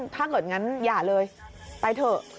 ถ้าเกิดงั้นอย่าเลยไปเถอะ